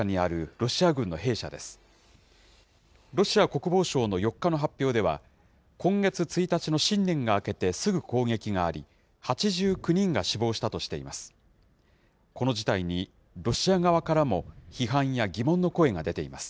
ロシア国防省の４日の発表では、今月１日の新年が明けてすぐ攻撃があり、８９人が死亡したとしています。